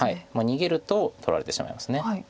逃げると取られてしまいます。